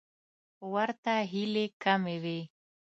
ورته هیلې کمې وې.